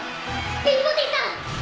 ピーボディさん！